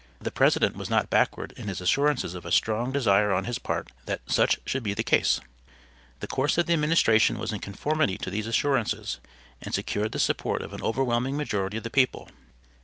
The President was not backward in his assurances of a strong desire on his part that such should be the case. The course of the administration was in conformity to these assurances, and secured the support of an overwhelming majority of the people.